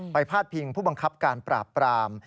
พาดพิงผู้บังคับการปราบปราม